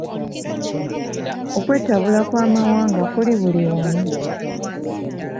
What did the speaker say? Okwetabula kw'amawanga kuli buli wamu.